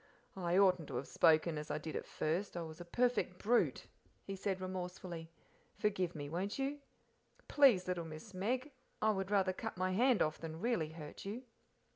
"I oughtn't to have spoken as I did at first I was a perfect brute," he said remorsefully; "forgive me, won't you? Please, little Miss Meg I would rather cut my hand off than really hurt you."